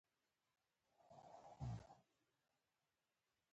د پلاسټیک کارول باید محدود شي.